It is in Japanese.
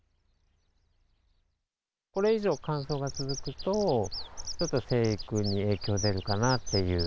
これ以上、乾燥が続くと、ちょっと生育に影響出るかなという。